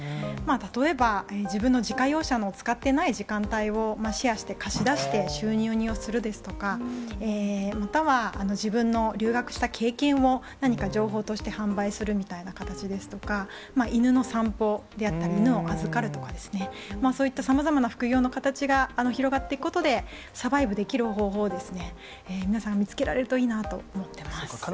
例えば、自分の自家用車の使っていない時間帯をシェアして貸し出して収入にするですとか、または自分の留学した経験を、何か情報として販売するみたいな形ですとか、犬の散歩であったり、犬を預かるとかですね、そういったさまざまな副業の形が広がっていくことで、サバイブできる方法を皆さん、見つけられるといいなと思っています。